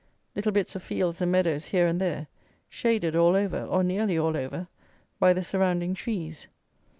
Little bits of fields and meadows here and there, shaded all over, or nearly all over, by the surrounding trees.